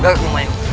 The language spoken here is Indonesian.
gagak rumah yus